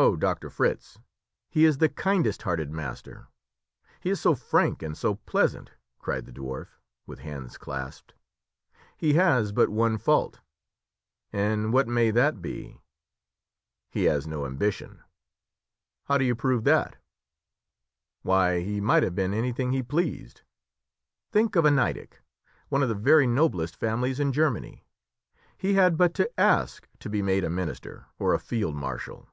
"Oh, Doctor Fritz, he is the kindest hearted master! he is so frank and so pleasant!" cried the dwarf, with hands clasped. "He has but one fault." "And what may that be?" "He has no ambition." "How do you prove that?" "Why, he might have been anything he pleased. Think of a Nideck, one of the very noblest families in Germany! He had but to ask to be made a minister or a field marshal.